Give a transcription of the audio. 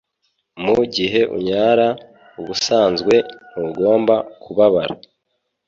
Mu gihe unyara, ubusanzwe, ntugomba kubabara.